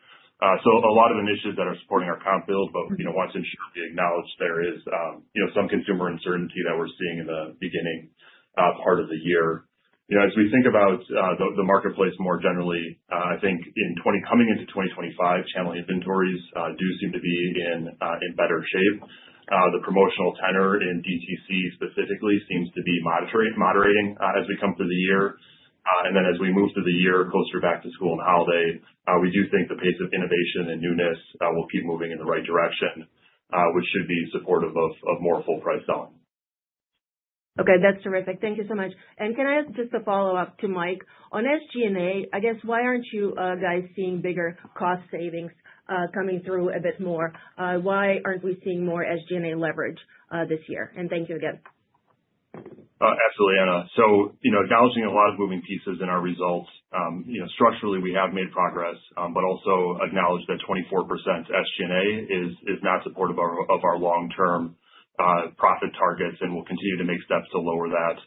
So a lot of initiatives that are supporting our comp build, but want to ensure we acknowledge there is some consumer uncertainty that we're seeing in the beginning part of the year. As we think about the marketplace more generally, I think coming into 2025, channel inventories do seem to be in better shape. The promotional tenor in DTC specifically seems to be moderating as we come through the year. And then as we move through the year closer back to school and holiday, we do think the pace of innovation and newness will keep moving in the right direction, which should be supportive of more full-price selling. Okay. That's terrific. Thank you so much. And can I ask just a follow-up to Mike? On SG&A, I guess, why aren't you guys seeing bigger cost savings coming through a bit more? Why aren't we seeing more SG&A leverage this year? Thank you again. Absolutely, Anna. So acknowledging a lot of moving pieces in our results, structurally, we have made progress, but also acknowledge that 24% SG&A is not supportive of our long-term profit targets and will continue to make steps to lower that.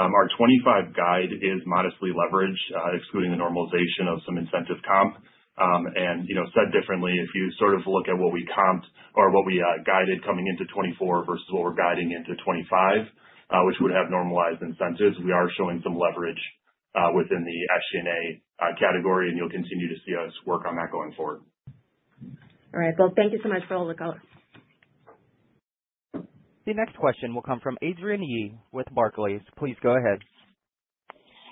Our 2025 guide is modestly leveraged, excluding the normalization of some incentive comp. And said differently, if you sort of look at what we comped or what we guided coming into 2024 versus what we're guiding into 2025, which would have normalized incentives, we are showing some leverage within the SG&A category, and you'll continue to see us work on that going forward. All right. Well, thank you so much for all the color. The next question will come from Adrienne Yih with Barclays. Please go ahead.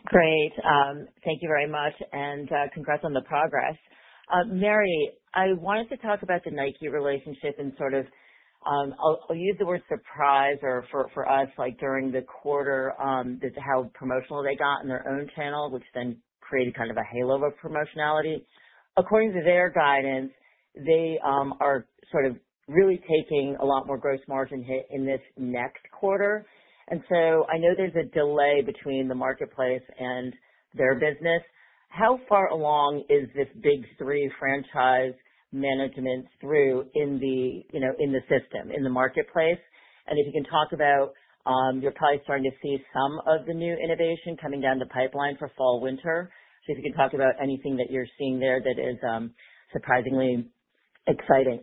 Great. Thank you very much. And congrats on the progress. Mary, I wanted to talk about the Nike relationship and sort of I'll use the word surprise or for us, like during the quarter, how promotional they got in their own channel, which then created kind of a halo of promotionality. According to their guidance, they are sort of really taking a lot more gross margin hit in this next quarter. And so I know there's a delay between the marketplace and their business. How far along is this Big Three franchise management through in the system, in the marketplace? And if you can talk about you're probably starting to see some of the new innovation coming down the pipeline for fall, winter. So if you can talk about anything that you're seeing there that is surprisingly exciting.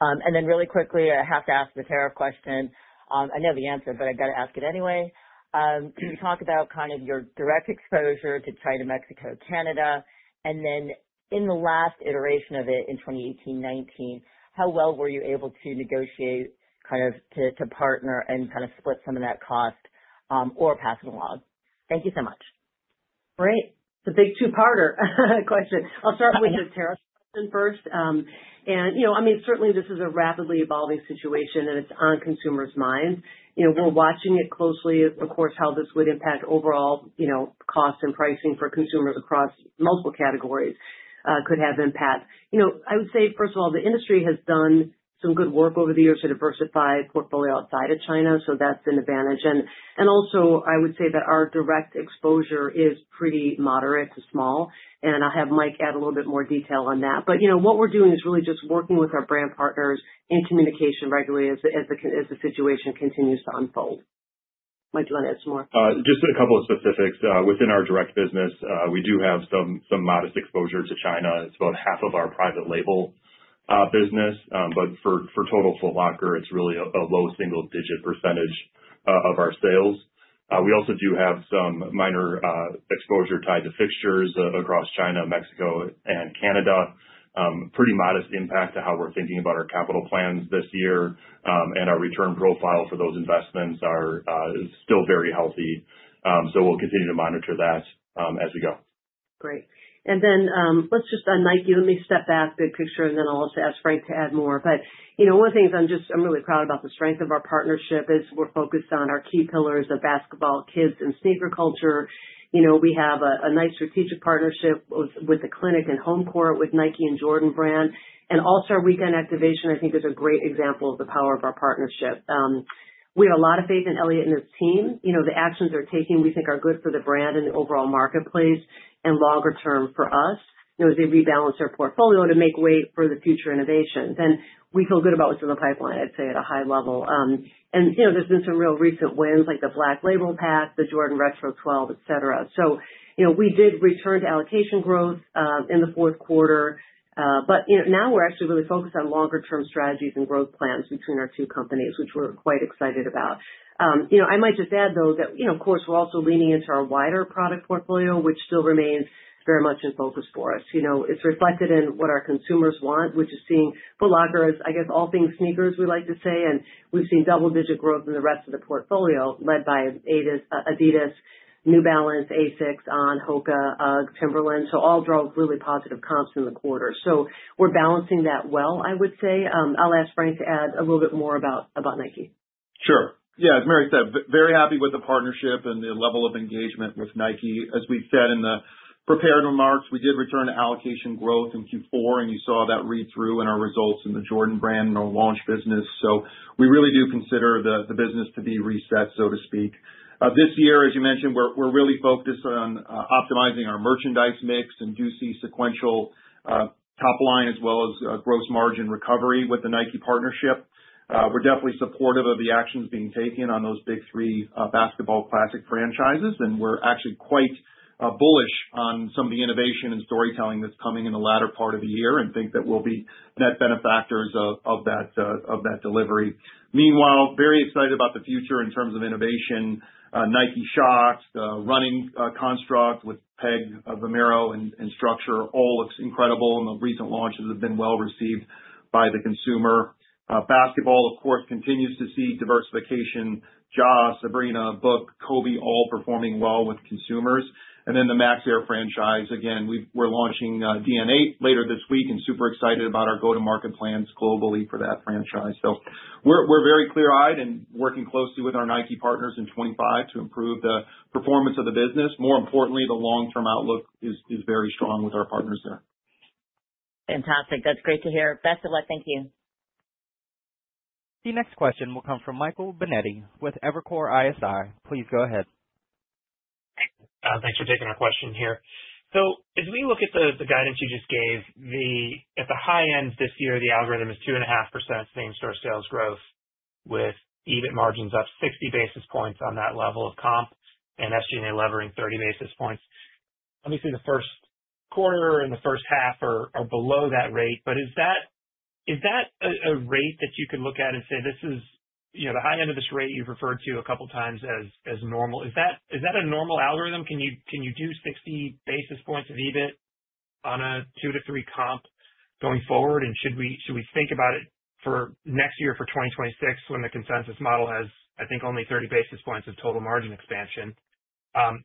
And then really quickly, I have to ask the tariff question. I know the answer, but I've got to ask it anyway. Can you talk about kind of your direct exposure to China, Mexico, Canada? And then in the last iteration of it in 2018-2019, how well were you able to negotiate kind of to partner and kind of split some of that cost or pass it along? Thank you so much. Great. It's a big two-parter question. I'll start with the tariff question first. And I mean, certainly, this is a rapidly evolving situation, and it's on consumers' minds. We're watching it closely, of course, how this would impact overall cost and pricing for consumers across multiple categories could have impact. I would say, first of all, the industry has done some good work over the years to diversify portfolio outside of China. So that's an advantage. And also, I would say that our direct exposure is pretty moderate to small. And I'll have Mike add a little bit more detail on that. What we're doing is really just working with our brand partners in communication regularly as the situation continues to unfold. Mike, do you want to add some more? Just a couple of specifics. Within our direct business, we do have some modest exposure to China. It's about half of our private label business. But for total Foot Locker, it's really a low single-digit percentage of our sales. We also do have some minor exposure tied to fixtures across China, Mexico, and Canada. Pretty modest impact to how we're thinking about our capital plans this year. Our return profile for those investments is still very healthy. We'll continue to monitor that as we go. Great. Then let's just on Nike. Let me step back, big picture, and then I'll also ask Frank to add more. But one of the things I'm really proud about the strength of our partnership is we're focused on our key pillars of basketball, kids, and sneaker culture. We have a nice strategic partnership with The Clinic and Home Court with Nike and Jordan Brand. And All-Star Weekend activation, I think, is a great example of the power of our partnership. We have a lot of faith in Elliott and his team. The actions they're taking, we think, are good for the brand and the overall marketplace and longer term for us as they rebalance their portfolio to make way for the future innovations. And we feel good about what's in the pipeline, I'd say, at a high level. And there's been some real recent wins like the Black Label Pack, the Jordan Retro 12, etc. So we did return to allocation growth in the fourth quarter. But now we're actually really focused on longer-term strategies and growth plans between our two companies, which we're quite excited about. I might just add, though, that, of course, we're also leaning into our wider product portfolio, which still remains very much in focus for us. It's reflected in what our consumers want, which is seeing Foot Locker as, I guess, all things sneakers, we like to say. And we've seen double-digit growth in the rest of the portfolio led by Adidas, New Balance, ASICS, On, Hoka, UGG, Timberland. So all drove really positive comps in the quarter. So we're balancing that well, I would say. I'll ask Frank to add a little bit more about Nike. Sure. Yeah, as Mary said, very happy with the partnership and the level of engagement with Nike. As we said in the prepared remarks, we did return to allocation growth in Q4, and you saw that read-through in our results in the Jordan Brand and our launch business. So we really do consider the business to be reset, so to speak. This year, as you mentioned, we're really focused on optimizing our merchandise mix and do see sequential top line as well as gross margin recovery with the Nike partnership. We're definitely supportive of the actions being taken on those big three basketball classic franchises. And we're actually quite bullish on some of the innovation and storytelling that's coming in the latter part of the year and think that we'll be net benefactors of that delivery. Meanwhile, very excited about the future in terms of innovation. Nike Shox, the running construct with Pegasus, Vomero, and Structure all looks incredible. The recent launches have been well received by the consumer. Basketball, of course, continues to see diversification. Ja, Sabrina, Book, Kobe, all performing well with consumers. Then the Air Max franchise. Again, we're launching Dn8 later this week and super excited about our go-to-market plans globally for that franchise. We're very clear-eyed and working closely with our Nike partners in 2025 to improve the performance of the business. More importantly, the long-term outlook is very strong with our partners there. Fantastic. That's great to hear. Best of luck. Thank you. The next question will come from Michael Binetti with Evercore ISI. Please go ahead. Thanks for taking our question here. So as we look at the guidance you just gave, at the high end this year, the algorithm is 2.5% same-store sales growth with EBIT margins up 60 basis points on that level of comp and SG&A levering 30 basis points. Obviously, the first quarter and the first half are below that rate. But is that a rate that you can look at and say, "This is the high end of this rate you've referred to a couple of times as normal"? Is that a normal algorithm? Can you do 60 basis points of EBIT on a 2%-3% comp going forward? And should we think about it for next year for 2026 when the consensus model has, I think, only 30 basis points of total margin expansion,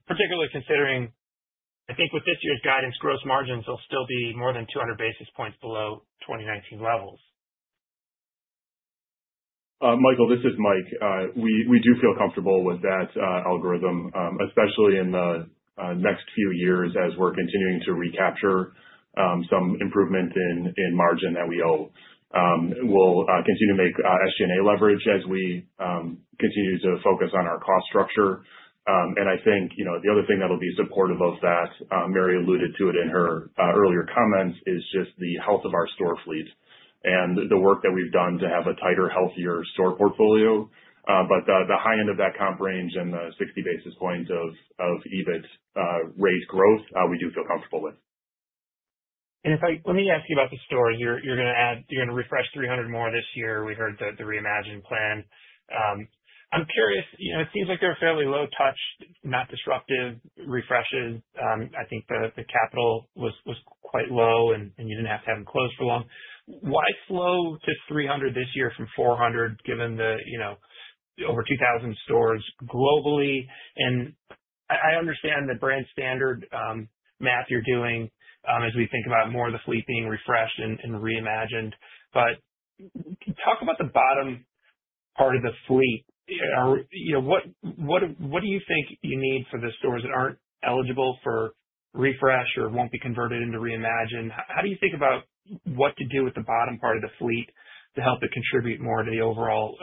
particularly considering, I think, with this year's guidance, gross margins will still be more than 200 basis points below 2019 levels? Michael, this is Mike. We do feel comfortable with that algorithm, especially in the next few years as we're continuing to recapture some improvement in margin that we owe. We'll continue to make SG&A leverage as we continue to focus on our cost structure. I think the other thing that will be supportive of that. Mary alluded to it in her earlier comments. It is just the health of our store fleet and the work that we've done to have a tighter, healthier store portfolio. The high end of that comp range and the 60 basis points of EBIT rate growth, we do feel comfortable with. Let me ask you about the stores. You're going to refresh 300 more this year. We heard the Reimagined plan. I'm curious. It seems like they're fairly low-touch, not disruptive refreshes. I think the capital was quite low, and you didn't have to have them closed for long. Why slow to 300 this year from 400, given the over 2,000 stores globally? And I understand the brand standard math you're doing as we think about more of the fleet being refreshed and Reimagined. But talk about the bottom part of the fleet. What do you think you need for the stores that aren't eligible for refresh or won't be converted into Reimagined? How do you think about what to do with the bottom part of the fleet to help it contribute more to the overall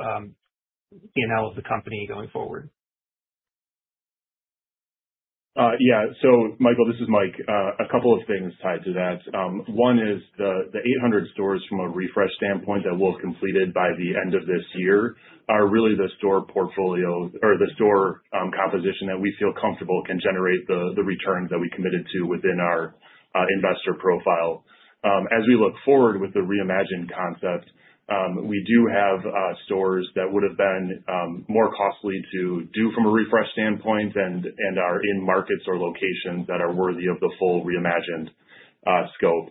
P&L of the company going forward? Yeah. So, Michael, this is Mike. A couple of things tied to that. One is the 800 stores from a refresh standpoint that we'll have completed by the end of this year are really the store portfolio or the store composition that we feel comfortable can generate the returns that we committed to within our investor profile. As we look forward with the Reimagined concept, we do have stores that would have been more costly to do from a refresh standpoint and are in markets or locations that are worthy of the full Reimagined scope.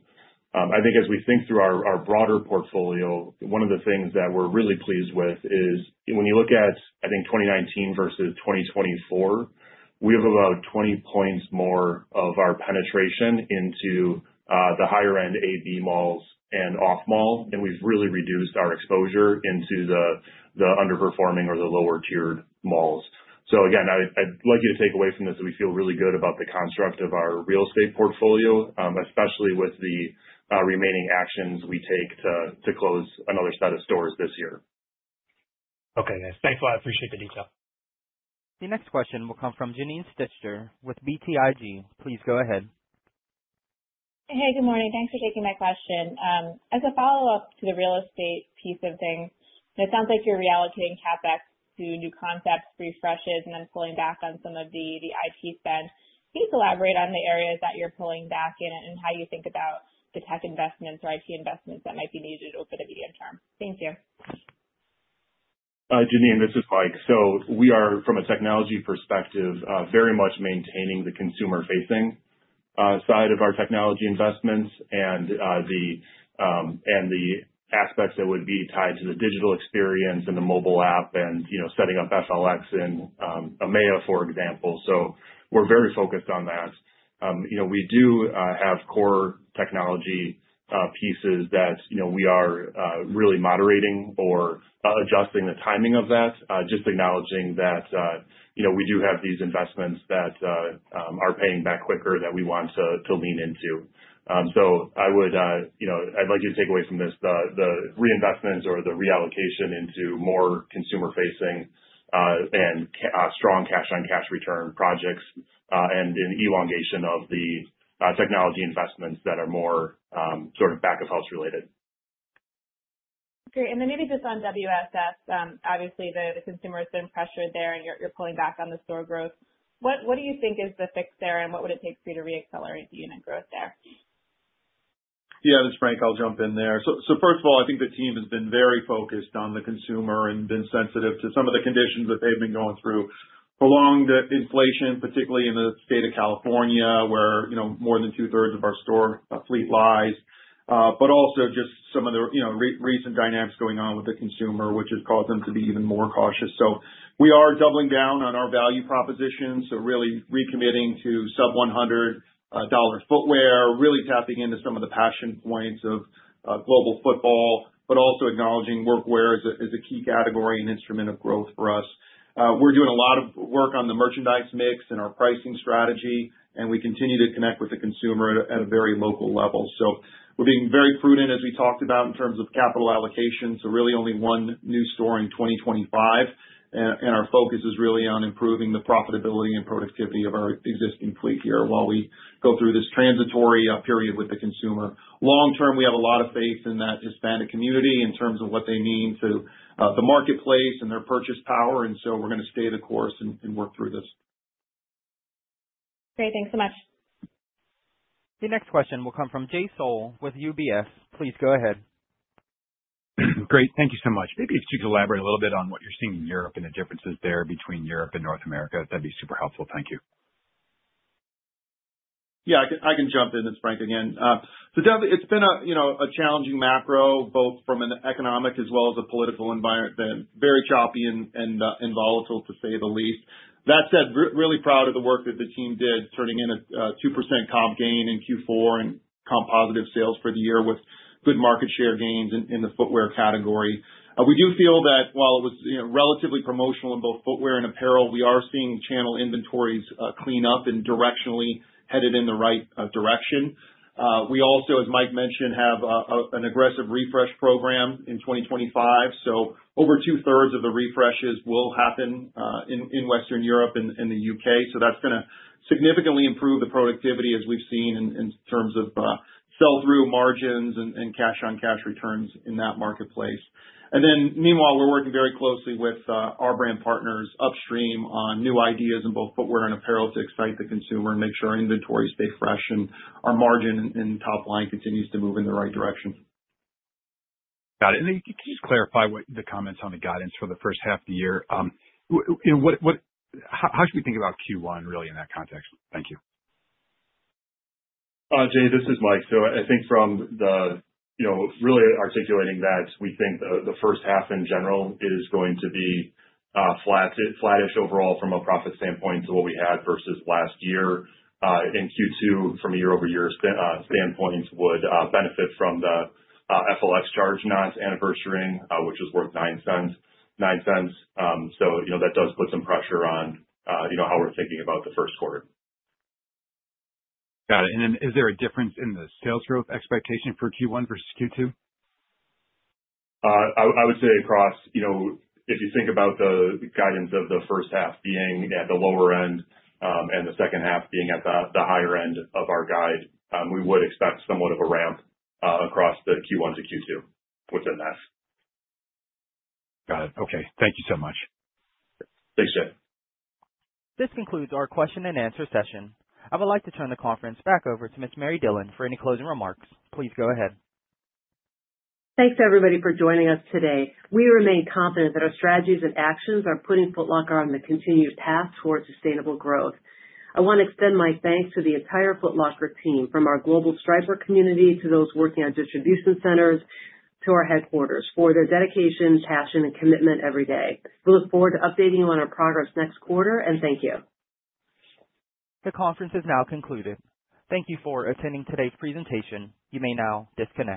I think as we think through our broader portfolio, one of the things that we're really pleased with is when you look at, I think, 2019 versus 2024, we have about 20 points more of our penetration into the higher-end AB malls and off-mall. And we've really reduced our exposure into the underperforming or the lower-tiered malls. So again, I'd like you to take away from this that we feel really good about the construct of our real estate portfolio, especially with the remaining actions we take to close another set of stores this year. Okay. Thanks a lot. I appreciate the detail. The next question will come from Janine Stichter with BTIG. Please go ahead. Hey, good morning. Thanks for taking my question. As a follow-up to the real estate piece of things, it sounds like you're reallocating CapEx to new concepts, refreshes, and then pulling back on some of the IT spend. Can you elaborate on the areas that you're pulling back in and how you think about the tech investments or IT investments that might be needed over the medium term? Thank you. Janine, this is Mike. We are, from a technology perspective, very much maintaining the consumer-facing side of our technology investments and the aspects that would be tied to the digital experience and the mobile app and setting up FLX in EMEA, for example. So we're very focused on that. We do have core technology pieces that we are really moderating or adjusting the timing of that, just acknowledging that we do have these investments that are paying back quicker that we want to lean into. So I'd like you to take away from this the reinvestment or the reallocation into more consumer-facing and strong cash-on-cash return projects and an elongation of the technology investments that are more sort of back-of-house related. Great. And then maybe just on WSS, obviously, the consumer has been pressured there, and you're pulling back on the store growth. What do you think is the fix there, and what would it take for you to re-accelerate the unit growth there? Yeah, this is Frank. I'll jump in there. So first of all, I think the team has been very focused on the consumer and been sensitive to some of the conditions that they've been going through along the inflation, particularly in the state of California where more than two-thirds of our store fleet lies. But also just some of the recent dynamics going on with the consumer, which has caused them to be even more cautious. So we are doubling down on our value proposition, so really recommitting to sub-$100 footwear, really tapping into some of the passion points of global football, but also acknowledging workwear as a key category and instrument of growth for us. We're doing a lot of work on the merchandise mix and our pricing strategy, and we continue to connect with the consumer at a very local level. So we're being very prudent, as we talked about, in terms of capital allocation. So really only one new store in 2025. And our focus is really on improving the profitability and productivity of our existing fleet here while we go through this transitory period with the consumer. Long term, we have a lot of faith in that Hispanic community in terms of what they mean to the marketplace and their purchase power. And so we're going to stay the course and work through this. Great. Thanks so much. The next question will come from Jay Sole with UBS. Please go ahead. Great. Thank you so much. Maybe if you could elaborate a little bit on what you're seeing in Europe and the differences there between Europe and North America, that'd be super helpful. Thank you. Yeah, I can jump in. It's Frank again. So definitely, it's been a challenging macro, both from an economic as well as a political environment. Very choppy and volatile, to say the least. That said, really proud of the work that the team did turning in a 2% comp gain in Q4 and comp positive sales for the year with good market share gains in the footwear category. We do feel that while it was relatively promotional in both footwear and apparel, we are seeing channel inventories clean up and directionally headed in the right direction. We also, as Mike mentioned, have an aggressive refresh program in 2025. So over two-thirds of the refreshes will happen in Western Europe and the U.K. So that's going to significantly improve the productivity as we've seen in terms of sell-through margins and cash-on-cash returns in that marketplace. And then meanwhile, we're working very closely with our brand partners upstream on new ideas in both footwear and apparel to excite the consumer and make sure our inventory stays fresh and our margin and top line continues to move in the right direction. Got it. And then can you just clarify the comments on the guidance for the first half of the year? How should we think about Q1, really, in that context? Thank you. Jay, this is Mike. So I think from there, really articulating that we think the first half in general is going to be flattish overall from a profit standpoint to what we had versus last year. In Q2, from a year-over-year standpoint, would benefit from the FLX charge not anniversary, which is worth $0.09. So that does put some pressure on how we're thinking about the first quarter. Got it. And then is there a difference in the sales growth expectation for Q1 versus Q2? I would say across if you think about the guidance of the first half being at the lower end and the second half being at the higher end of our guide, we would expect somewhat of a ramp across the Q1 to Q2 within that. Got it. Okay. Thank you so much. Thanks, Jay. This concludes our question-and-answer session. I would like to turn the conference back over to Ms. Mary Dillon for any closing remarks. Please go ahead. Thanks to everybody for joining us today. We remain confident that our strategies and actions are putting Foot Locker on the continued path towards sustainable growth. I want to extend my thanks to the entire Foot Locker team from our global Striper community to those working on distribution centers to our headquarters for their dedication, passion, and commitment every day. We look forward to updating you on our progress next quarter, and thank you. The conference is now concluded. Thank you for attending today's presentation. You may now disconnect.